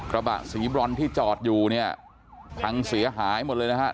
ระบะสีบรอนที่จอดอยู่เนี่ยพังเสียหายหมดเลยนะครับ